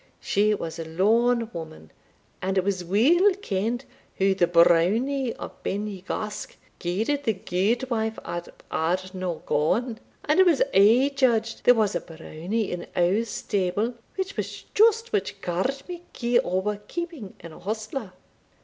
She was a lone woman, and it was weel ken'd how the Brownie of Ben ye gask guided the gudewife of Ardnagowan; and it was aye judged there was a Brownie in our stable, which was just what garr'd me gie ower keeping an hostler."